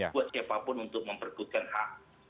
buat siapapun untuk memperkuatkan hak